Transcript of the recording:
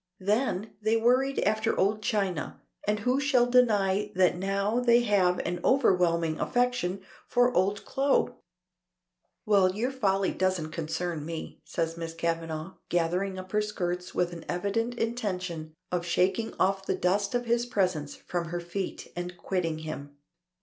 Then they worried after old china, and who shall deny that now they have an overwhelming affection for old clo'." "Well; your folly doesn't concern me," says Miss Kavanagh, gathering up her skirts with an evident intention of shaking off the dust of his presence from her feet and quitting him.